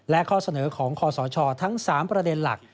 และข้อเสนอของคอสชทั้ง๓ประเด็นหลัก